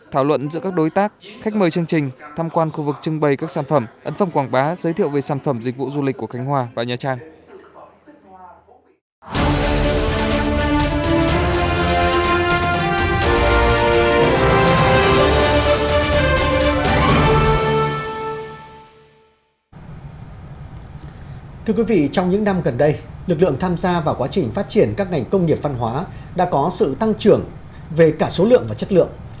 thưa quý vị trong những năm gần đây lực lượng tham gia vào quá trình phát triển các ngành công nghiệp văn hóa đã có sự tăng trưởng về cả số lượng và chất lượng